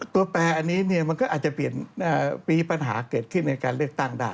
แปลอันนี้มันก็อาจจะเปลี่ยนมีปัญหาเกิดขึ้นในการเลือกตั้งได้